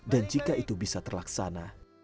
dan jika itu bisa terlaksana